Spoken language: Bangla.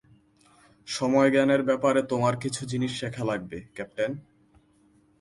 সময়জ্ঞানের ব্যাপারে তোমার কিছু জিনিস শেখা লাগবে, ক্যাপ্টেন।